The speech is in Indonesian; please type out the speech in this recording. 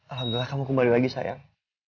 alhamdulillah kamu kembali lagi sayang